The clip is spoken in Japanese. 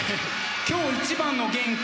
今日一番の元気。